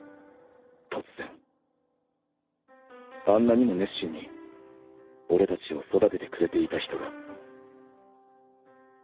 あんなにも熱心に俺たちを育ててくれていた人が